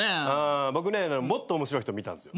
僕ねもっと面白い人見たんすよ。